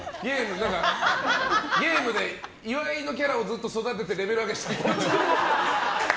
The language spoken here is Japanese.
ゲームで岩井のキャラをずっと育ててレベル上げしたみたい。